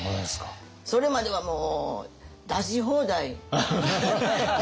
それまではもう出し放題。